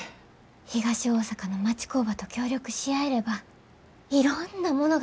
東大阪の町工場と協力し合えればいろんなものが作れます。